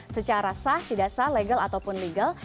secara sah tidak sah legal ataupun legal